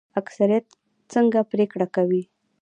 اکثریت څنګه پریکړه کوي؟